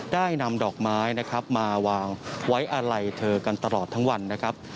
ได้นำดอกไม้นะครับมาวางไว้อาลัยเธอกันตลอดทั้งวันนะครับ